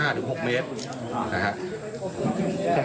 ถึงหกเมตรเลยครับ